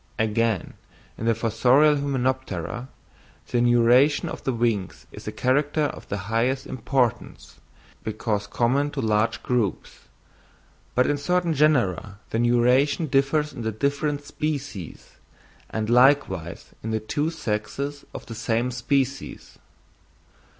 Again in the fossorial hymenoptera, the neuration of the wings is a character of the highest importance, because common to large groups; but in certain genera the neuration differs in the different species, and likewise in the two sexes of the same species.